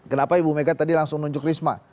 kenapa ibu mega tadi langsung nunjuk risma